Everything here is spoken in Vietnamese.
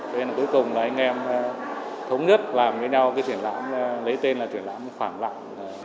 thế là cuối cùng là anh em thống nhất làm với nhau cái triển lãm lấy tên là triển lãm phản lặng